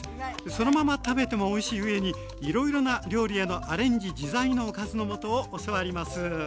そのまま食べてもおいしいうえにいろいろな料理へのアレンジ自在の「おかずの素」を教わります。